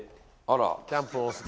あら。